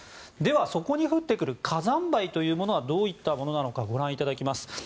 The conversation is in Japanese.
では、そこに降ってくる火山灰というのはどういったものかご覧いただきます。